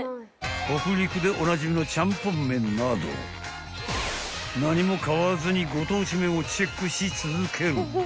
［北陸でおなじみのチャンポンめんなど何も買わずにご当地麺をチェックし続ける］